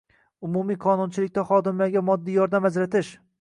Umumiy qonunchilikda xodimlarga moddiy yordam ajratish